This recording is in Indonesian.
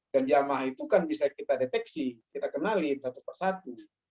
jamaah itu kan bisa kita deteksi kita kenalin satu persatu